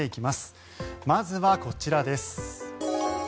まずはこちらです。